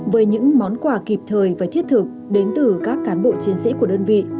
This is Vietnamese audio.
với những món quà kịp thời và thiết thực đến từ các cán bộ chiến sĩ của đơn vị